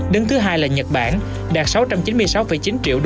đứng thứ hai là nhật bản đạt sáu trăm chín mươi sáu chín triệu usd